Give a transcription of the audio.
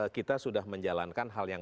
kita sudah menjalankan hal yang